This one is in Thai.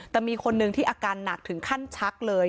แต่มีคนหนึ่งที่อาการหนักถึงขั้นชักเลย